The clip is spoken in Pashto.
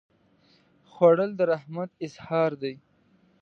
خوړل د رحمت اظهار دی